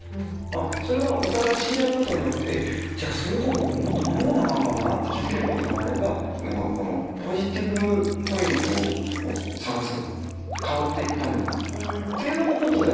それはお互い知り合うことによってじゃあそういうとこ僕もっと学ばなあかんかもなって気付けることもあればポジティブポイントを探す変わっていくためのっていうことやと思うな。